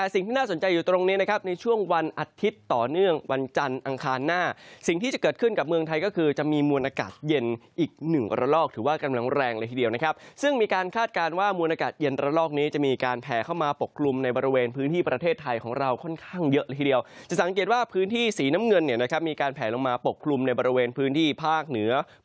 สิ่งที่จะเกิดขึ้นกับเมืองไทยก็คือจะมีมวลอากาศเย็นอีกหนึ่งระลอกถือว่ากำลังแรงเลยทีเดียวซึ่งมีการคาดการณ์ว่ามวลอากาศเย็นระลอกนี้จะมีการแผลเข้ามาปกคลุมในบริเวณพื้นที่ประเทศไทยของเราค่อนข้างเยอะเลยทีเดียวจะสังเกตว่าพื้นที่สีน้ำเงินมีการแผลลงมาปกคลุมในบริเวณพื้